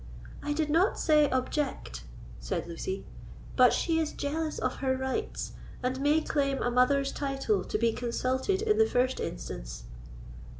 "I did not say object," said Lucy; "but she is jealous of her rights, and may claim a mother's title to be consulted in the first instance."